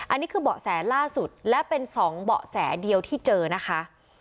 อันนี้คือเบาะแสล่าสุดและเป็นสองเบาะแสเดียวที่เจอนะคะ